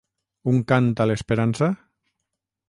Un cant a l’esperança?